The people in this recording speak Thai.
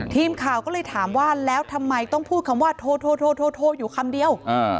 ทีมข่าวก็เลยถามว่าแล้วทำไมต้องพูดคำว่าโทรอยู่คำเดียว